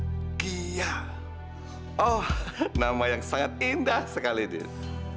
dan dia juga seorang gadis yang sangat cantik om